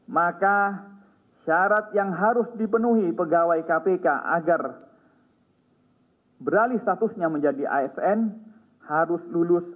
maka syarat yang harus dipenuhi pegawai kpk agar beralih statusnya menjadi asn harus lulus